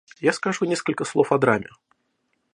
Я скажу несколько слов о драме.